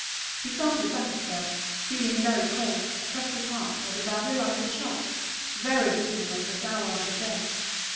She started back at first, feeling very cold, oppressed at heart by the badly lighted shop, very dismal at this hour of the day.